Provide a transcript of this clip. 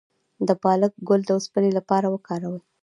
د پالک ګل د اوسپنې لپاره وکاروئ